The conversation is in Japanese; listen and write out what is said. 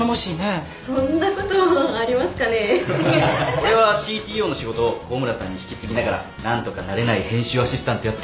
俺はＣＴＯの仕事を小村さんに引き継ぎながら何とか慣れない編集アシスタントやってます。